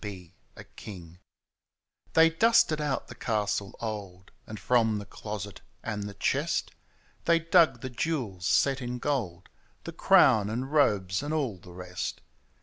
8 WHEN I WAS KING They dusted out the castle old, And from the closet and the chest They dug the jewels set in gold — The crown and robes and all the rest.